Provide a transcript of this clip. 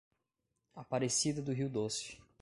Aparecida do Rio Doce